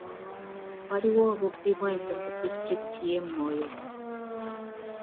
Waliwo obubbi bw'ente mu disitulikiti y'e Moyo.